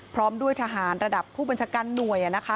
พร้อมด้วยทหารระดับผู้บัญชาการหน่วย